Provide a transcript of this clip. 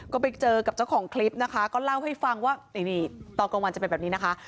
ก็ไปเจอกับเจ้าของคลิปนะคะก็เล่าให้ฟังว่านี่ตอนกลางวันจะเป็นแบบนี้นะคะ